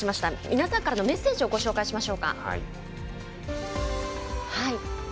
皆さんからのメッセージをご紹介します。